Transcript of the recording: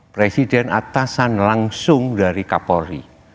presiden atasan langsung dari kapolri